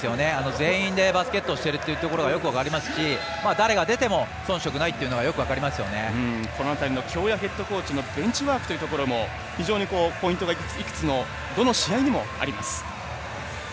全員でバスケットをしているというのがよく分かりますし誰が出ても遜色ないというのが京谷ヘッドコーチのベンチワークというところも非常にポイントがいくつもどの試合にもあります。